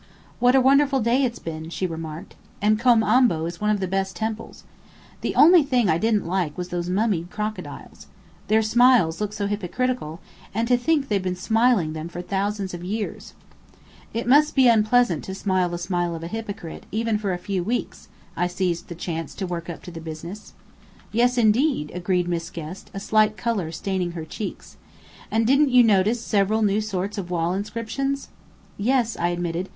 "What a wonderful day it's been!" she remarked. And Kom Ombo is one of the best temples. The only thing I didn't like was those mummied crocodiles. Their smiles look so hypocritical, and to think they've been smiling them for thousands of years " "It must be unpleasant to smile the smile of a hypocrite, even for a few weeks," I seized the chance to work up to business. "Yes, indeed," agreed Miss Guest a slight colour staining her cheeks. "And didn't you notice several new sorts of wall inscriptions?" "Yes," I admitted.